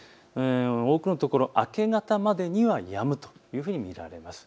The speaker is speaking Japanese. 多くの所、明け方までにはやむというふうに見られます。